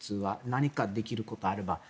何かできることあれば。